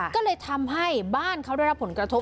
ก็เลยทำให้บ้านเขาได้รับผลกระทบ